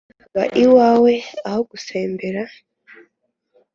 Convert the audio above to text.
Ba iwawe aho gusembera